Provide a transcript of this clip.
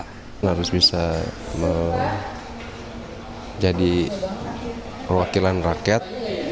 harus bisa menjadi perwakilan rakyat